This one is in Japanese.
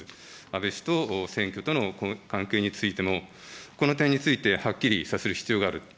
安倍氏と選挙との関係についても、この点についてはっきりさせる必要がある。